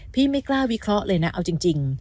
ไม่กล้าวิเคราะห์เลยนะเอาจริง